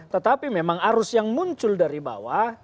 tetapi memang arus yang muncul dari bawah